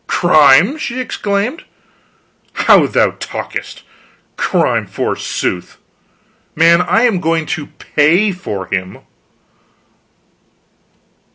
"Crime!" she exclaimed. "How thou talkest! Crime, forsooth! Man, I am going to pay for him!"